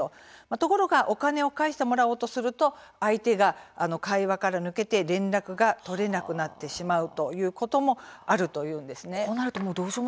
ところがお金を返してもらおうとすると相手が会話から抜けて連絡が取れなくなってしまうということもあるというんです。